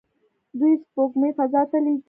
دوی سپوږمکۍ فضا ته لیږي.